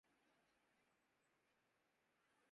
غالبؔ! کچھ اپنی سعی سے لہنا نہیں مجھے